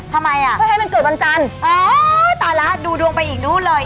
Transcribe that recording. ทำไมอ่ะเพื่อให้มันเกิดวันจันทร์อ๋อตายแล้วดูดวงไปอีกนู่นเลย